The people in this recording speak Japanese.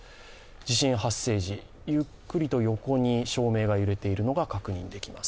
地震発生時、ゆっくりと横に照明が揺れているのが確認できます。